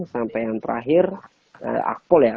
sampai yang terakhir akpol ya